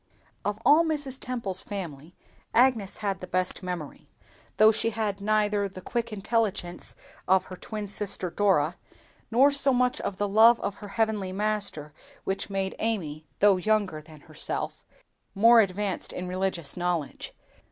Of all Mrs. Temple's family, Agnes had the best memory; though she had neither the quick intelligence of her twin sister Dora, nor so much of the love of her Heavenly Master which made Amy, though younger than herself, more advanced in religious knowledge.